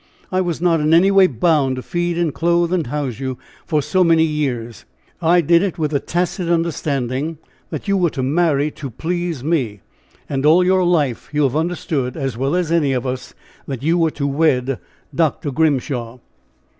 I was not in any way bound to feed and clothe and house you for so many years. I did it with the tacit understanding that you were to marry to please me, and all your life you have understood, as well as any of us, that you were to wed Dr. Grimshaw."